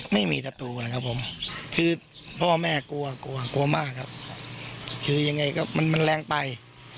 ไม่มีประตูนะครับผมคือพ่อแม่กลัวกลัวมากครับคือยังไงก็มันแรงไป